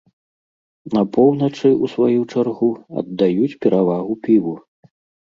На поўначы, у сваю чаргу, аддаюць перавагу піву.